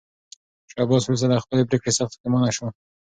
شاه عباس وروسته له خپلې پرېکړې سخت پښېمانه شو.